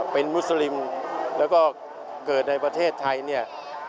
เป็นวัฒนาและเกิดในประเทศไทย